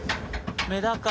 メダカ。